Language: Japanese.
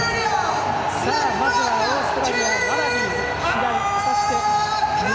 まずはオーストラリアワラビーズ、左。